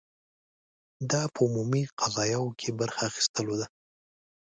دا په عمومي قضایاوو کې برخې اخیستلو ده.